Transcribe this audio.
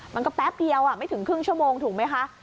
แป๊บเดียวไม่ถึงครึ่งชั่วโมงถูกไหมคะ